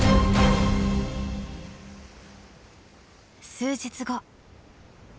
数日後。